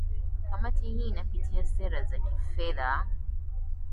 kamati hii inapitia sera za fedha